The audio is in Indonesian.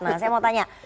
nah saya mau tanya